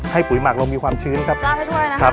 ให้ปุ๋ยหมักเรามีความชื้นครับลาดให้ทุกอย่างนะครับ